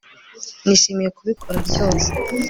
nishimiye kubikora ryose